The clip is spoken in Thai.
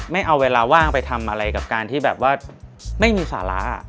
ไม่เอาเวลาว่างไปทำอะไรกับการที่แบบว่าไม่มีสาระ